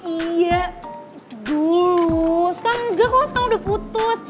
iya itu dulu sekarang enggak kok sekarang udah putus